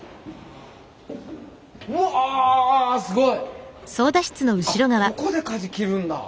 うわすごい！